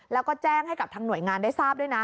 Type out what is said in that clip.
แล้วก็แจ้งให้กับทางหน่วยงานได้ทราบด้วยนะ